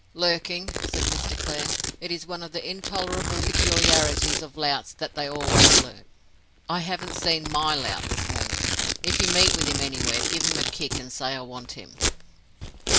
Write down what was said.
"Lurking," said Mr. Clare. "It is one of the intolerable peculiarities of louts that they always lurk. I haven't seen my lout this morning. It you meet with him anywhere, give him a kick, and say I want him."